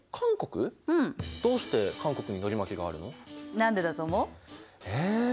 何でだと思う？え。